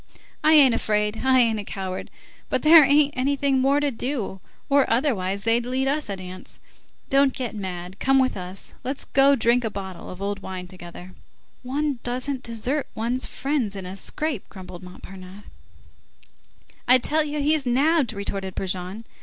I ain't afraid, I ain't a coward, but there ain't anything more to do, or otherwise they'd lead us a dance. Don't get mad, come with us, let's go drink a bottle of old wine together." "One doesn't desert one's friends in a scrape," grumbled Montparnasse. "I tell you he's nabbed!" retorted Brujon.